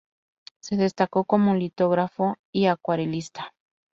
Se destacó como litógrafo y acuarelista.